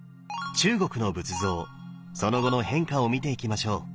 中国の仏像その後の変化を見ていきましょう。